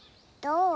どう？